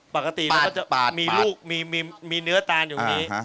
ปกติมันก็จะมีลูกมีเนื้อตานอยู่นี้